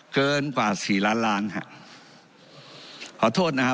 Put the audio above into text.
เกินกว่าสี่ล้านล้านฮะขอโทษนะฮะ